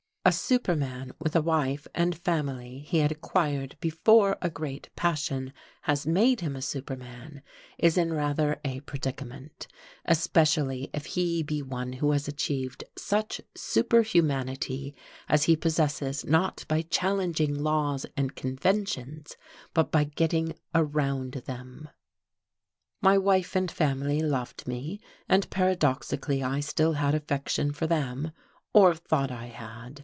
A superman with a wife and family he had acquired before a great passion has made him a superman is in rather a predicament, especially if he be one who has achieved such superhumanity as he possesses not by challenging laws and conventions, but by getting around them. My wife and family loved me; and paradoxically I still had affection for them, or thought I had.